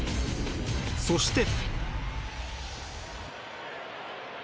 そして。